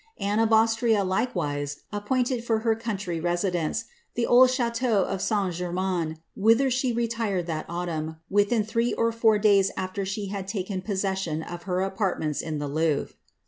Anni Austria likewise appointed for her country residence the old ch&teai St Gennains, whither she retired that autumn, witliin three or four i after she had taken possession of her apartments in the Louvre.